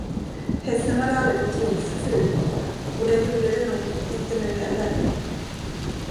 Hästen hade aldrig gått vilse förut, och den gjorde det nog inte nu heller.